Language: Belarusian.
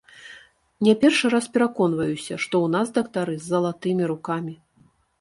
Не першы раз пераконваюся, што ў нас дактары з залатымі рукамі.